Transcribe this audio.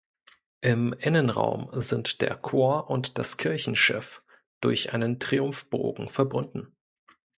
Im Innenraum sind der Chor und das Kirchenschiff durch einen Triumphbogen verbunden.